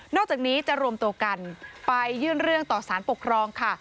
อกจากนี้จะรวมตัวกันไปยื่นเรื่องต่อสารปกครองค่ะ